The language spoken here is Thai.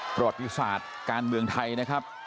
ประวัติศาสตร์การเมืองไทยนะครับ